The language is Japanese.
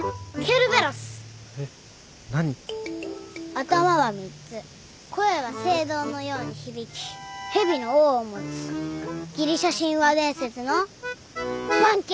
頭は３つ声は青銅のように響き蛇の尾を持つギリシャ神話伝説の番犬！